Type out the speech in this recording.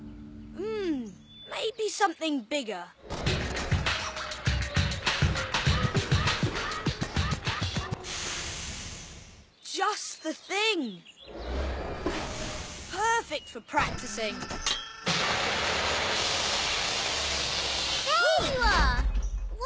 うわ。